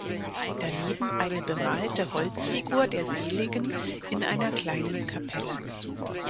Daneben eine bemalte Holzfigur der Seligen in einer kleinen Kapelle.